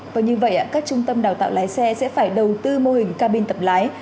và như vậy các trung tâm đào tạo lái xe sẽ phải đầu tư mô hình cabin tập lái